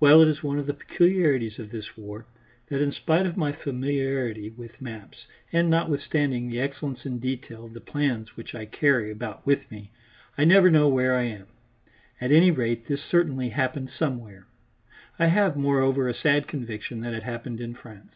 Well, it is one of the peculiarities of this war, that in spite of my familiarity with maps, and notwithstanding the excellence in detail of the plans which I carry about with me, I never know where I am. At any rate this certainly happened somewhere. I have, moreover, a sad conviction that it happened in France.